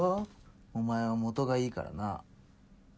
お前は元がいいからな。